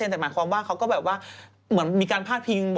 แต่หมายความว่าเขาก็แบบว่าเหมือนมีการพาดพิง